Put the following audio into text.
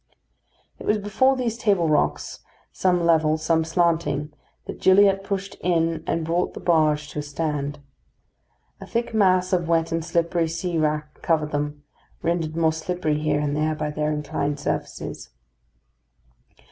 It was before these table rocks, some level, some slanting, that Gilliatt pushed in and brought the barge to a stand. A thick mass of wet and slippery sea wrack covered them, rendered more slippery here and there by their inclined surfaces.